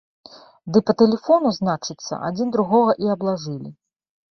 Ды па тэлефону, значыцца, адзін другога і аблажылі!